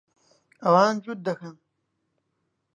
ئەوان جووت دەکەن.